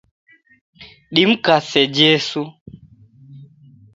Dimkase Jesu.